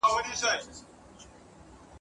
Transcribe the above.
د سباوون ښځه به په هر کار کي